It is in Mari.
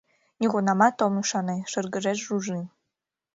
— Нигунамат ом ӱшане, — шыргыжеш Жужи.